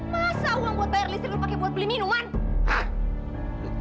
masa uang buat bayar listrik pakai buat beli minuman